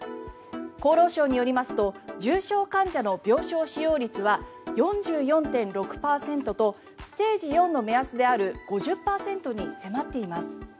厚労省によりますと重症患者の病床使用率は４４．６％とステージ４の目安である５０％に迫っています。